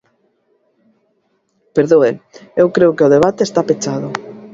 Perdoe, eu creo que o debate está pechado.